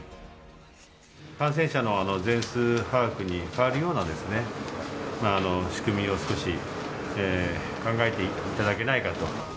感染者の全数把握に代わるような仕組みを少し考えていただけないかと。